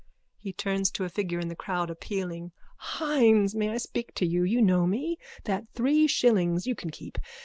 (He turns to a figure in the crowd, appealing.) Hynes, may I speak to you? You know me. That three shillings you can keep.